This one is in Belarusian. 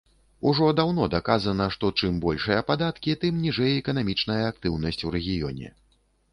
Ужо даўно даказана, што чым большыя падаткі, тым ніжэй эканамічная актыўнасць у рэгіёне.